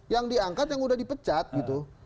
yang diangkat yang udah dipecat gitu